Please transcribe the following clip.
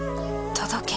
届け。